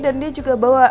dan dia juga bawa